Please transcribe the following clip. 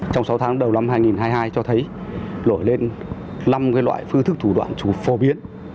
trong sáu tháng đầu năm hai nghìn hai mươi hai cho thấy nổi lên năm loại phương thức thủ đoạn chủ phổ biến